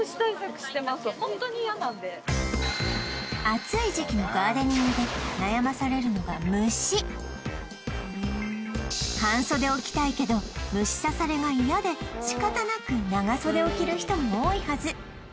暑い時期のガーデニングで悩まされるのが虫半袖を着たいけど虫刺されが嫌で仕方なく長袖を着る人も多いはず